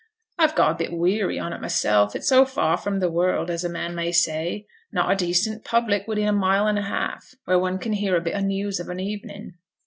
I've got a bit weary on it myself; it's so far from th' world, as a man may say; not a decent public within a mile and a half, where one can hear a bit o' news of an evening.'